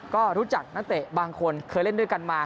ก็รู้จักนักเตะบางคนเคยเล่นด้วยกันมา